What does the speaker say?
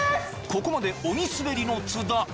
［ここまで鬼スベりの津田］